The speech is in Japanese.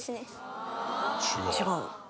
違う？